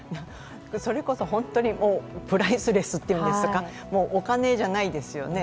それこそ本当にプライスレスって言うんですか、お金じゃないですよね。